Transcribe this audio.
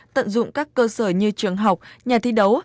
tận dụng các cơ sở như trường học nhà thi đấu